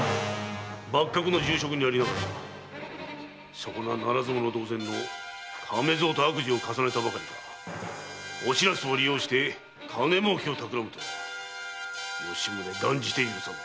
幕閣の重職にありながらそこなならず者同然の亀蔵と悪事を重ねたばかりかお白州を利用して金儲けを企むとは吉宗断じて許さぬ。